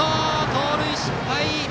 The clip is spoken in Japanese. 盗塁失敗。